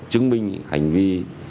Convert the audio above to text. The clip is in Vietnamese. chứng minh hành vi